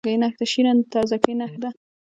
شین رنګ د تازګۍ نښه ده.